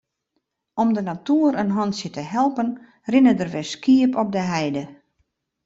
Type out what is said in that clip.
Om de natoer in hantsje te helpen rinne der wer skiep op de heide.